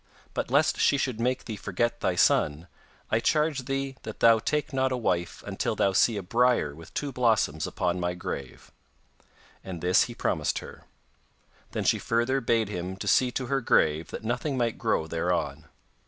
But lest she should make thee forget thy son, I charge thee that thou take not a wife until thou see a briar with two blossoms upon my grave.' And this he promised her. Then she further bade him to see to her grave that nothing might grow thereon.